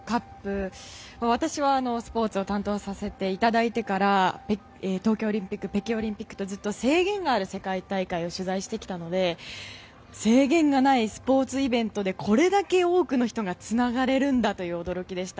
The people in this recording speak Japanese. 私はスポーツを担当させていただいてから東京オリンピック北京オリンピックとずっと制限がある世界大会を取材してきたので制限がないスポーツイベントでこれだけ多くの人がつながれるんだという驚きでした。